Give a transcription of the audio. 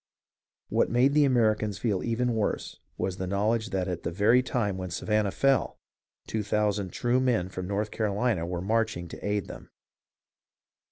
What made the Americans feel even worse was the knowledge that at the very time when Sa vannah fell, two thousand true men from North Carolina were marching to aid them.